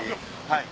はい。